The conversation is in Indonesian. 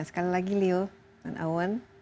sekali lagi leo dan awan